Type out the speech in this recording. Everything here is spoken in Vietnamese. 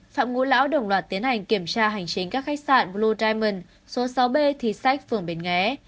phạm ngũ lão đồng loạt tiến hành kiểm tra hành trình các khách sạn blue diamond số sáu b thí sách phường bến nghé